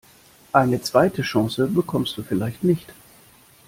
Eine zweite Chance bekommst du vielleicht nicht.